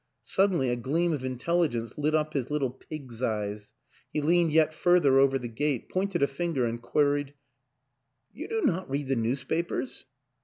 Suddenly a gleam of intelligence lit up his little pig's eyes he leaned yet further over the gate, pointed a finger and queried "You do not read the newspapers?"